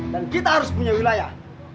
dan kita harus punya wilayah